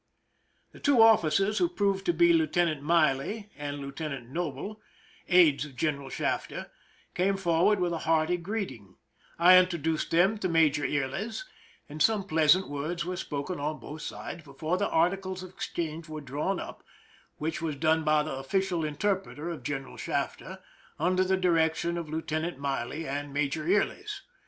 The two officers, who proved to be Lieutenant Miley and Lieutenant Noble, aides of General Shafter, came forward with a hearty greeting. I 295 THE SINKING OF THE ^'MEERIMAC" introduced them to Major Yrles, and some pleasant words, were spoken on both sides before the articles of exchange were drawn up, which was done by the offi(iial interpreter of General Shatter, under the direction of Lieutenant Miley and Major Yrl6s.